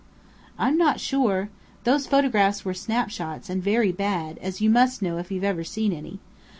"I'm not sure. Those photographs were snapshots, and very bad, as you must know if you've ever seen any.